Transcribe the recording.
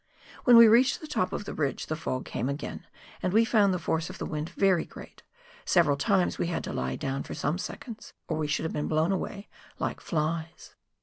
When we reached the top of the ridge the fog came again, and we found the force of the wind very great ; several times we had to lie down for some seconds, or we should have been blown away like flies.